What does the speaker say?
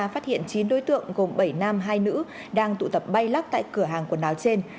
phát hiện chín đối tượng gồm bảy nam hai nữ đang tụ tập bay lắc tại cửa hàng quần áo trên